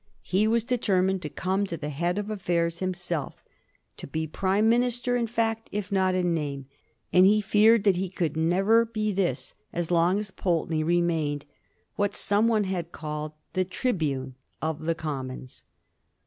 He was determined to come 1742. THE COMBINED FOUR. 193 to the head of affairs himself — to be Prime minister in fact if not in name; and he feared that he never could be this so long as Pnlteney remained, what some one had called him, the Tribune of the Commons.